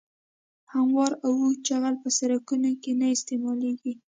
هموار او اوږد جغل په سرکونو کې نه استعمالیږي